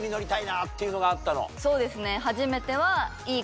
そうですね。